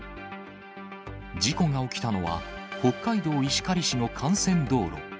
事故が起きたのは、北海道石狩市の幹線道路。